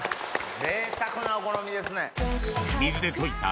ぜいたくなお好みですね。